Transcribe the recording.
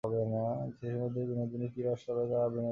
চিঠির মধ্যে বিনোদিনী কী রস পাইল, তাহা বিনোদিনীই জানে।